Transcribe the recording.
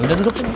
udah duduk dulu